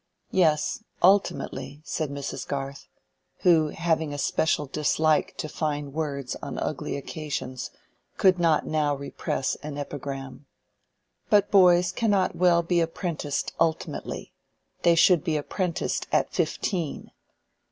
"Yes, ultimately," said Mrs. Garth, who having a special dislike to fine words on ugly occasions, could not now repress an epigram. "But boys cannot well be apprenticed ultimately: they should be apprenticed at fifteen."